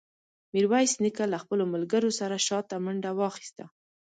میرویس نیکه له خپلو ملګرو سره شاته منډه واخیسته.